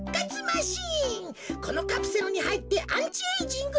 このカプセルにはいってアンチエージング